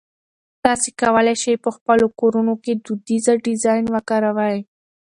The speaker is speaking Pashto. تاسي کولای شئ په خپلو کورونو کې دودیزه ډیزاین وکاروئ.